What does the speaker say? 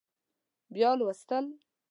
بیا لوستل